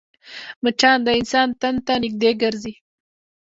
مچان د انسان تن ته نږدې ګرځي